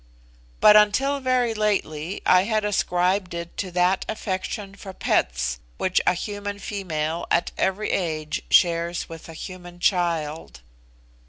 But until very lately I had ascribed it to that affection for 'pets' which a human female at every age shares with a human child.